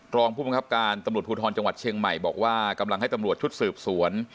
รองผู้บังคับการตำรวจภูทรจังหวัดเชียงใหม่บอกว่ากำลังให้ตำรวจชุดสืบสวน